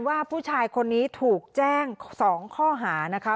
ว่าผู้ชายคนนี้ถูกแจ้ง๒ข้อหานะคะ